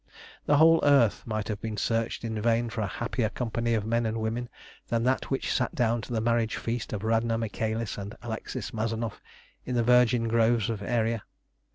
The whole earth might have been searched in vain for a happier company of men and women than that which sat down to the marriage feast of Radna Michaelis and Alexis Mazanoff in the virgin groves of Aeria.